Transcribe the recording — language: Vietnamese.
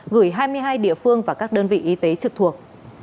gửi hai mươi hai địa phương và các đơn vị y tế trực thuộc